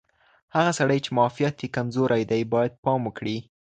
هغه سړی چې معافیت یې کمزوری دی باید پام وکړي.